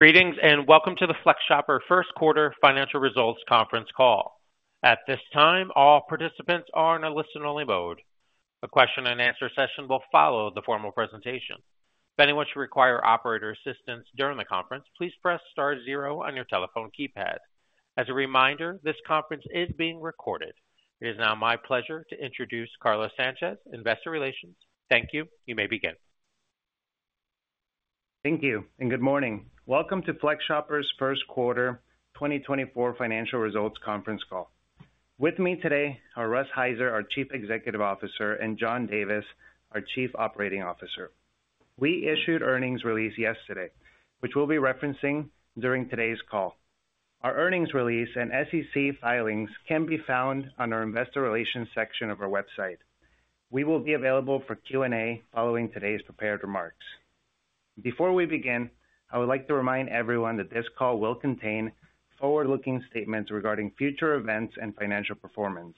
Greetings and welcome to the FlexShopper First Quarter Financial Results Conference call. At this time, all participants are in a listen-only mode. A question-and-answer session will follow the formal presentation. If anyone should require operator assistance during the conference, please press star zero on your telephone keypad. As a reminder, this conference is being recorded. It is now my pleasure to introduce Carlos Sanchez, Investor Relations. Thank you. You may begin. Thank you and good morning. Welcome to FlexShopper's First Quarter 2024 Financial Results Conference call. With me today are Russ Heiser, our Chief Executive Officer, and John Davis, our Chief Operating Officer. We issued earnings release yesterday, which we'll be referencing during today's call. Our earnings release and SEC filings can be found on our Investor Relations section of our website. We will be available for Q&A following today's prepared remarks. Before we begin, I would like to remind everyone that this call will contain forward-looking statements regarding future events and financial performance,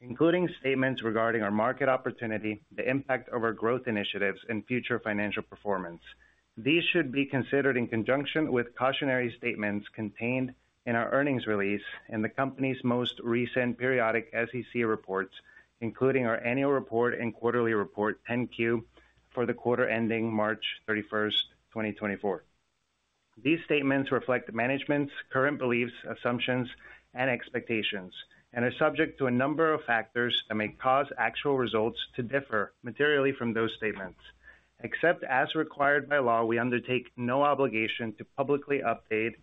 including statements regarding our market opportunity, the impact of our growth initiatives, and future financial performance. These should be considered in conjunction with cautionary statements contained in our earnings release and the company's most recent periodic SEC reports, including our annual report and quarterly report, 10-Q, for the quarter ending March 31, 2024. These statements reflect management's current beliefs, assumptions, and expectations, and are subject to a number of factors that may cause actual results to differ materially from those statements. Except as required by law, we undertake no obligation to publicly update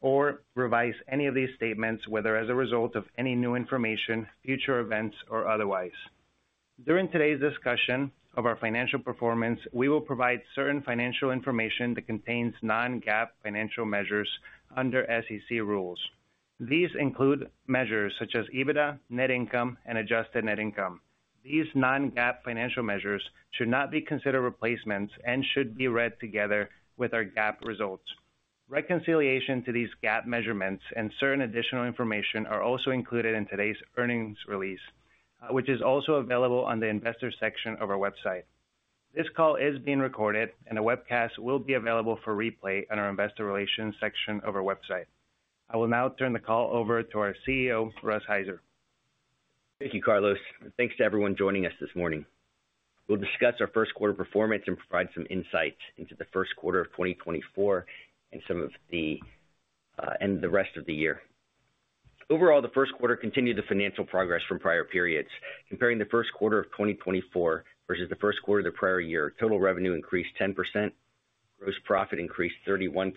or revise any of these statements, whether as a result of any new information, future events, or otherwise. During today's discussion of our financial performance, we will provide certain financial information that contains non-GAAP financial measures under SEC rules. These include measures such as EBITDA, net income, and adjusted net income. These non-GAAP financial measures should not be considered replacements and should be read together with our GAAP results. Reconciliation to these GAAP measurements and certain additional information are also included in today's earnings release, which is also available on the Investor section of our website. This call is being recorded, and a webcast will be available for replay on our Investor Relations section of our website. I will now turn the call over to our CEO, Russ Heiser. Thank you, Carlos. Thanks to everyone joining us this morning. We'll discuss our first quarter performance and provide some insights into the first quarter of 2024 and some of the rest of the year. Overall, the first quarter continued the financial progress from prior periods. Comparing the first quarter of 2024 versus the first quarter of the prior year, total revenue increased 10%, gross profit increased 31%,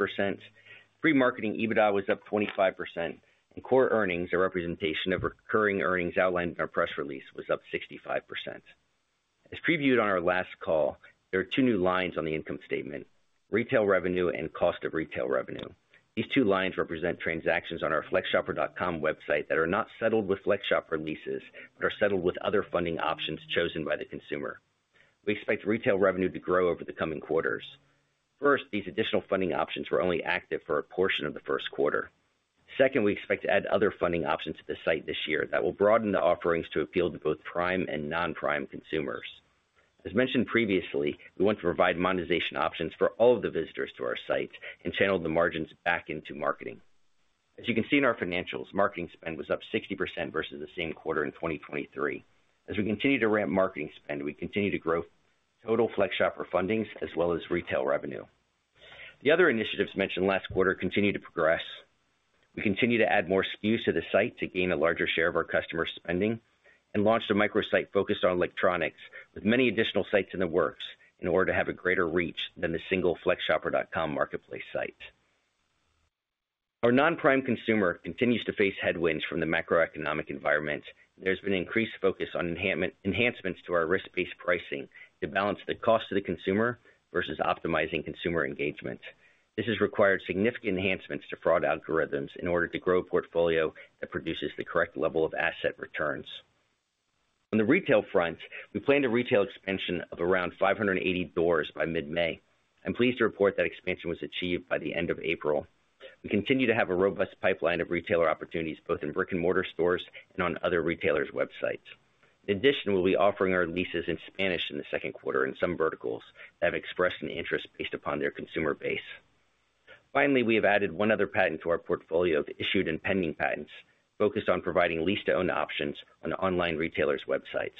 pre-marketing EBITDA was up 25%, and core earnings, a representation of recurring earnings outlined in our press release, was up 65%. As previewed on our last call, there are two new lines on the income statement: retail revenue and cost of retail revenue. These two lines represent transactions on our FlexShopper.com website that are not settled with FlexShopper leases but are settled with other funding options chosen by the consumer. We expect retail revenue to grow over the coming quarters. First, these additional funding options were only active for a portion of the first quarter. Second, we expect to add other funding options to the site this year that will broaden the offerings to appeal to both prime and non-prime consumers. As mentioned previously, we want to provide monetization options for all of the visitors to our site and channel the margins back into marketing. As you can see in our financials, marketing spend was up 60% versus the same quarter in 2023. As we continue to ramp marketing spend, we continue to grow total FlexShopper fundings as well as retail revenue. The other initiatives mentioned last quarter continue to progress. We continue to add more SKUs to the site to gain a larger share of our customers' spending and launched a microsite focused on electronics, with many additional sites in the works in order to have a greater reach than the single FlexShopper.com marketplace site. Our non-prime consumer continues to face headwinds from the macroeconomic environment, and there has been increased focus on enhancements to our risk-based pricing to balance the cost to the consumer versus optimizing consumer engagement. This has required significant enhancements to fraud algorithms in order to grow a portfolio that produces the correct level of asset returns. On the retail front, we plan to retail expansion of around 580 doors by mid-May. I'm pleased to report that expansion was achieved by the end of April. We continue to have a robust pipeline of retailer opportunities both in brick-and-mortar stores and on other retailers' websites. In addition, we'll be offering our leases in Spanish in the second quarter and some verticals that have expressed an interest based upon their consumer base. Finally, we have added one other patent to our portfolio of issued and pending patents focused on providing lease-to-own options on online retailers' websites.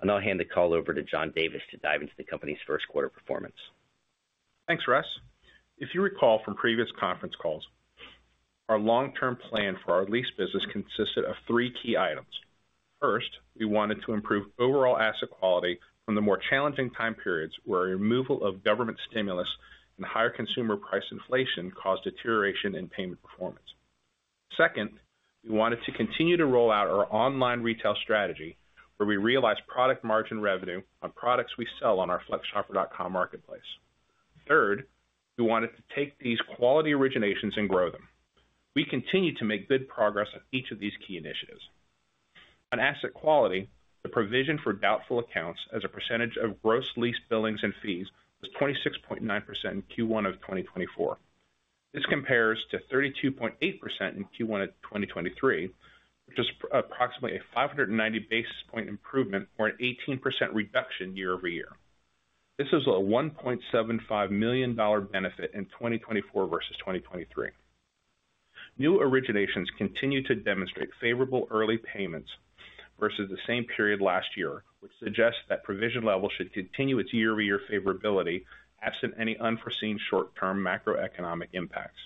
I'll now hand the call over to John Davis to dive into the company's first quarter performance. Thanks, Russ. If you recall from previous conference calls, our long-term plan for our lease business consisted of three key items. First, we wanted to improve overall asset quality from the more challenging time periods where our removal of government stimulus and higher consumer price inflation caused deterioration in payment performance. Second, we wanted to continue to roll out our online retail strategy, where we realize product margin revenue on products we sell on our FlexShopper.com marketplace. Third, we wanted to take these quality originations and grow them. We continue to make good progress on each of these key initiatives. On asset quality, the provision for doubtful accounts as a percentage of gross lease billings and fees was 26.9% in Q1 of 2024. This compares to 32.8% in Q1 of 2023, which is approximately a 590 basis point improvement or an 18% reduction year over year. This is a $1.75 million benefit in 2024 versus 2023. New originations continue to demonstrate favorable early payments versus the same period last year, which suggests that provision level should continue its year-over-year favorability absent any unforeseen short-term macroeconomic impacts.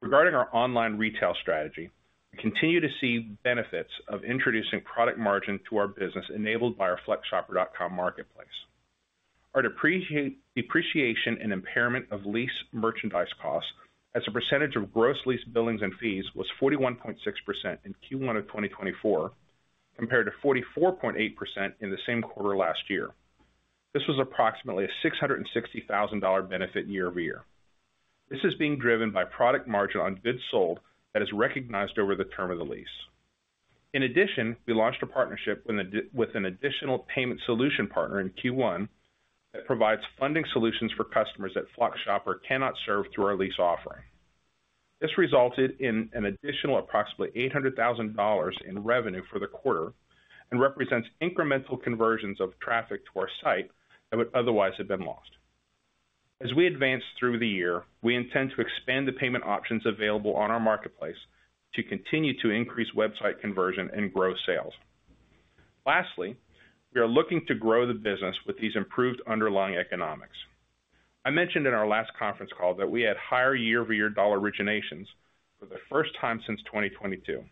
Regarding our online retail strategy, we continue to see benefits of introducing product margin to our business enabled by our FlexShopper.com marketplace. Our depreciation and impairment of lease merchandise costs as a percentage of gross lease billings and fees was 41.6% in Q1 of 2024, compared to 44.8% in the same quarter last year. This was approximately a $660,000 benefit year-over-year. This is being driven by product margin on goods sold that is recognized over the term of the lease. In addition, we launched a partnership with an additional payment solution partner in Q1 that provides funding solutions for customers that FlexShopper cannot serve through our lease offering. This resulted in an additional approximately $800,000 in revenue for the quarter and represents incremental conversions of traffic to our site that would otherwise have been lost. As we advance through the year, we intend to expand the payment options available on our marketplace to continue to increase website conversion and grow sales. Lastly, we are looking to grow the business with these improved underlying economics. I mentioned in our last conference call that we had higher year-over-year dollar originations for the first time since 2022.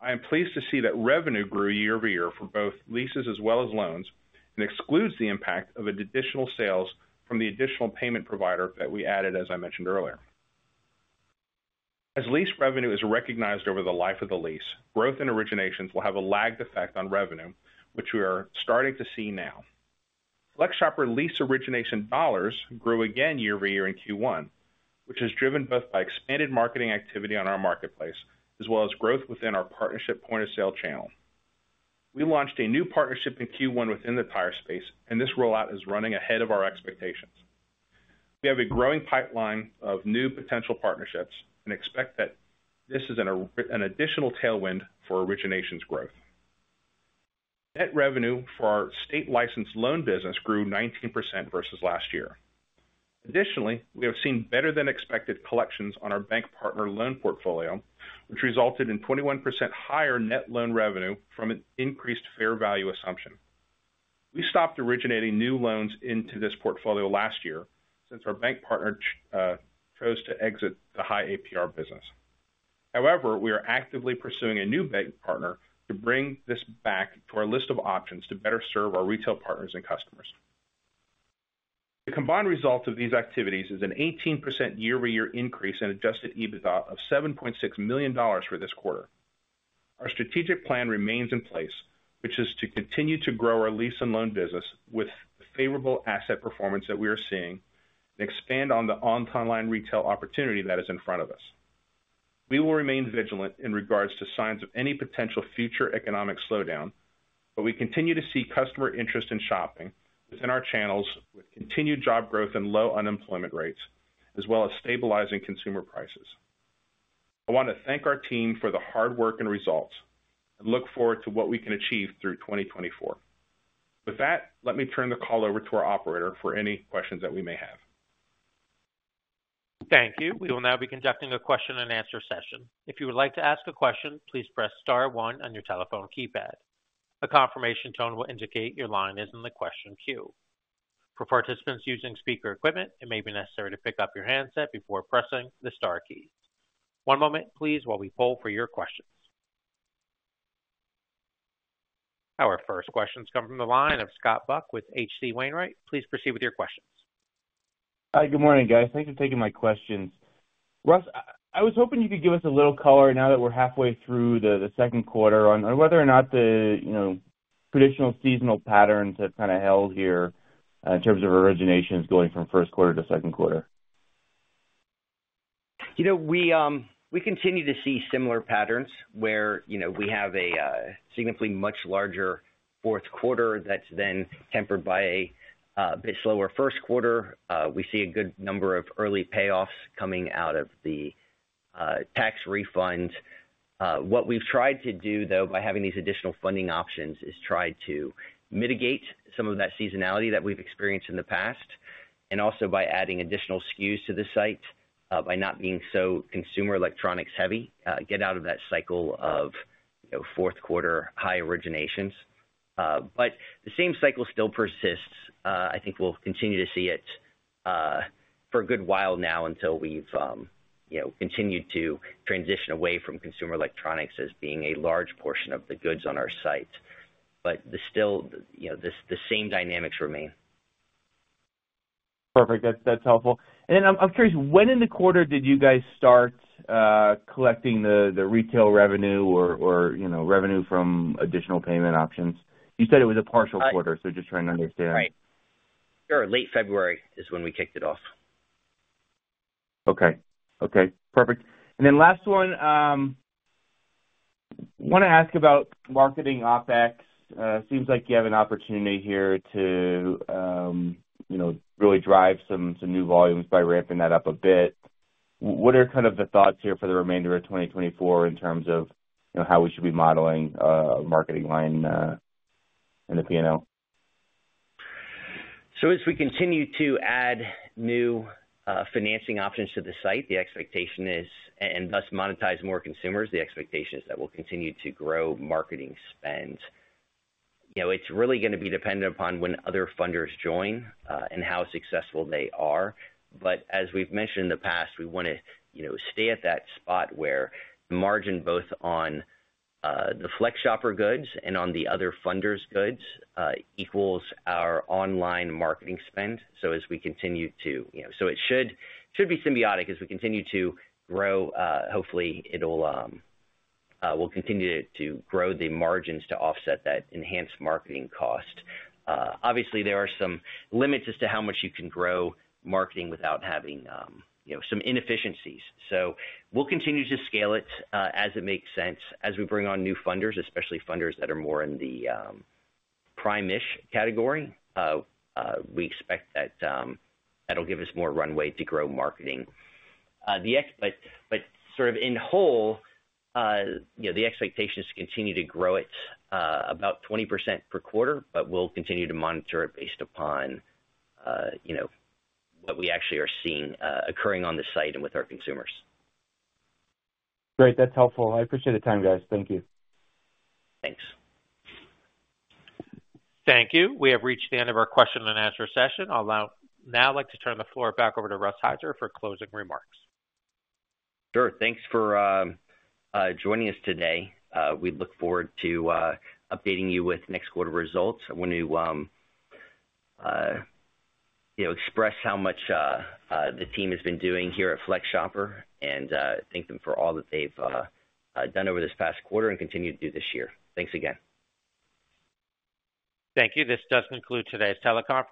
I am pleased to see that revenue grew year-over-year for both leases as well as loans and excludes the impact of additional sales from the additional payment provider that we added, as I mentioned earlier. As lease revenue is recognized over the life of the lease, growth in originations will have a lagged effect on revenue, which we are starting to see now. FlexShopper lease origination dollars grew again year-over-year in Q1, which is driven both by expanded marketing activity on our marketplace as well as growth within our partnership point-of-sale channel. We launched a new partnership in Q1 within the tire space, and this rollout is running ahead of our expectations. We have a growing pipeline of new potential partnerships and expect that this is an additional tailwind for originations growth. Net revenue for our state-licensed loan business grew 19% versus last year. Additionally, we have seen better-than-expected collections on our bank partner loan portfolio, which resulted in 21% higher net loan revenue from an increased fair value assumption. We stopped originating new loans into this portfolio last year since our bank partner chose to exit the high APR business. However, we are actively pursuing a new bank partner to bring this back to our list of options to better serve our retail partners and customers. The combined result of these activities is an 18% year-over-year increase in adjusted EBITDA of $7.6 million for this quarter. Our strategic plan remains in place, which is to continue to grow our lease-and-loan business with the favorable asset performance that we are seeing and expand on the online retail opportunity that is in front of us. We will remain vigilant in regards to signs of any potential future economic slowdown, but we continue to see customer interest in shopping within our channels, with continued job growth and low unemployment rates, as well as stabilizing consumer prices. I want to thank our team for the hard work and results and look forward to what we can achieve through 2024. With that, let me turn the call over to our operator for any questions that we may have. Thank you. We will now be conducting a question-and-answer session. If you would like to ask a question, please press star one on your telephone keypad. A confirmation tone will indicate your line is in the question queue. For participants using speaker equipment, it may be necessary to pick up your handset before pressing the star key. One moment, please, while we poll for your questions. Our first questions come from the line of Scott Buck with H.C. Wainwright. Please proceed with your questions. Hi. Good morning, guys. Thanks for taking my questions. Russ, I was hoping you could give us a little color now that we're halfway through the second quarter on whether or not the traditional seasonal patterns have kind of held here in terms of originations going from first quarter to second quarter? We continue to see similar patterns where we have a significantly much larger fourth quarter that's then tempered by a bit slower first quarter. We see a good number of early payoffs coming out of the tax refunds. What we've tried to do, though, by having these additional funding options is try to mitigate some of that seasonality that we've experienced in the past, and also by adding additional SKUs to the site by not being so consumer electronics-heavy, get out of that cycle of fourth quarter high originations. But the same cycle still persists. I think we'll continue to see it for a good while now until we've continued to transition away from consumer electronics as being a large portion of the goods on our site. But the same dynamics remain. Perfect. That's helpful. And then I'm curious, when in the quarter did you guys start collecting the retail revenue or revenue from additional payment options? You said it was a partial quarter, so just trying to understand. Right. Sure. Late February is when we kicked it off. Okay. Okay. Perfect. And then last one, I want to ask about marketing OpEx. It seems like you have an opportunity here to really drive some new volumes by ramping that up a bit. What are kind of the thoughts here for the remainder of 2024 in terms of how we should be modeling a marketing line in the P&L? So as we continue to add new financing options to the site, the expectation is and thus monetize more consumers, the expectation is that we'll continue to grow marketing spend. It's really going to be dependent upon when other funders join and how successful they are. But as we've mentioned in the past, we want to stay at that spot where the margin both on the FlexShopper goods and on the other funders' goods equals our online marketing spend. So as we continue to, it should be symbiotic. As we continue to grow, hopefully, we'll continue to grow the margins to offset that enhanced marketing cost. Obviously, there are some limits as to how much you can grow marketing without having some inefficiencies. So we'll continue to scale it as it makes sense. As we bring on new funders, especially funders that are more in the prime-ish category, we expect that that'll give us more runway to grow marketing. But sort of in whole, the expectation is to continue to grow it about 20% per quarter, but we'll continue to monitor it based upon what we actually are seeing occurring on the site and with our consumers. Great. That's helpful. I appreciate the time, guys. Thank you. Thanks. Thank you. We have reached the end of our question-and-answer session. I'll now like to turn the floor back over to Russ Heiser for closing remarks. Sure. Thanks for joining us today. We look forward to updating you with next quarter results. I want to express how much the team has been doing here at FlexShopper and thank them for all that they've done over this past quarter and continue to do this year. Thanks again. Thank you. This does conclude today's teleconference.